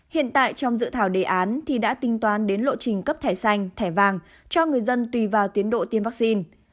hiện tại trong dự thảo đề án thì đã tinh toán đến lộ trình cấp thẻ xanh thẻ vàng cho người dân tùy vào tiến độ tiêm vaccine